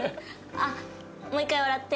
あっもう１回笑って。